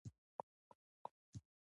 پښتو ته په اخلاص او رښتینې مینه خدمت وکړئ.